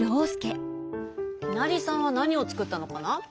きなりさんはなにをつくったのかな？